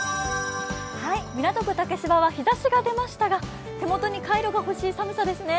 港区竹芝は日ざしが出ましたが、手元にカイロが欲しい寒さですね。